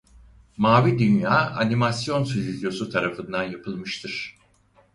Mavi Dünya Animasyon Stüdyosu tarafından yapılmıştır.